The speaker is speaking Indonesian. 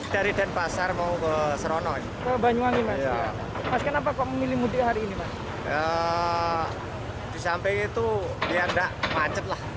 ya disamping itu biar nggak macet lah